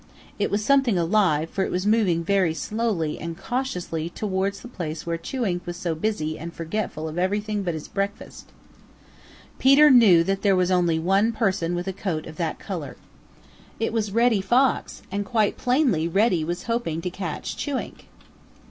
It was something alive, for it was moving very slowly and cautiously towards the place where Chewink was so busy and forgetful of everything but his breakfast. Peter knew that there was only one person with a coat of that color. It was Reddy Fox, and quite plainly Reddy was hoping to catch Chewink.